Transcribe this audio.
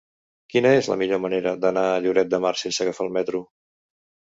Quina és la millor manera d'anar a Lloret de Mar sense agafar el metro?